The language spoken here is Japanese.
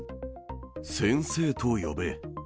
先生と呼べ。